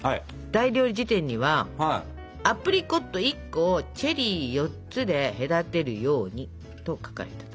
「大料理事典」には「アプリコット１個をチェリー４つで隔てるように」と書かれてたでしょ？